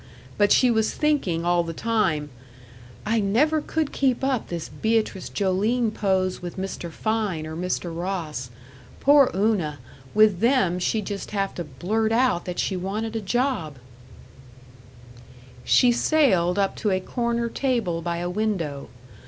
But she was thinking all the time: "I never could keep up this Beatrice Joline pose with Mr. Fein or Mr. Ross. Poor Una, with them she'd just have to blurt out that she wanted a job!" She sailed up to a corner table by a window.